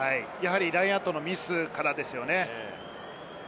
ラインアウトのミスからですよね。